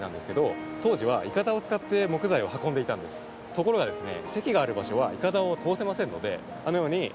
ところがですね。